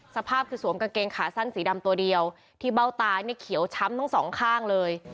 สภาพคือสวมกางเกงขาสั้นสีดำตัวเดียวที่เบ้าตานี่เขียวช้ำทั้งสองข้างเลย